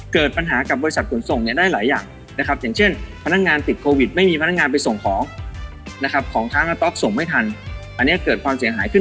เกิดปัญหากับบริษัทขนส่งเนี่ยได้หลายอย่างนะครับอย่างเช่นพนักงานติดโควิดไม่มีพนักงานไปส่งของนะครับของทางสต๊อกส่งไม่ทันอันนี้เกิดความเสียหายขึ้น